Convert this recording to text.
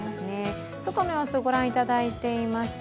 外の様子ご覧いただいています。